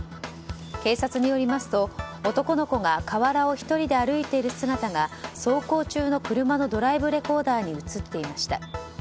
警察によりますと男の子が河原を１人で歩いている姿が走行中の車のドライブレコーダーに映っていました。